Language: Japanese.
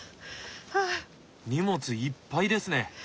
荷物いっぱいですね。